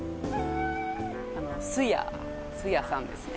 すやすやさんですね